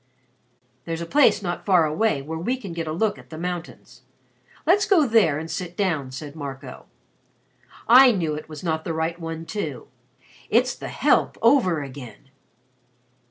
"There's a place not far away where we can get a look at the mountains. Let's go there and sit down," said Marco. "I knew it was not the right one, too. It's the Help over again."